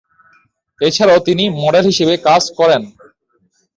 এছাড়াও তিনি মডেল হিসেবে কাজ করেন।